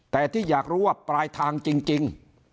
แต่ที่อยากรู้ว่าปลายทางจริง